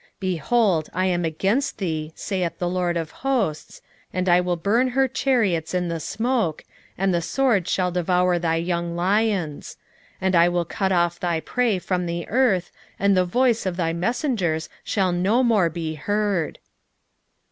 2:13 Behold, I am against thee, saith the LORD of hosts, and I will burn her chariots in the smoke, and the sword shall devour thy young lions: and I will cut off thy prey from the earth, and the voice of thy messengers shall no more be heard.